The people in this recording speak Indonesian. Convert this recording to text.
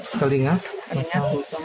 ketika itu gilang dikabarkan masuk rumah sakit